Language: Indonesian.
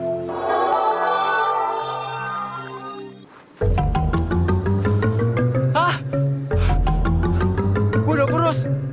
gue udah berus